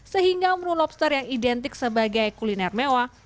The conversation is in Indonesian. sehingga menu lobster yang identik sebagai kuliner mewah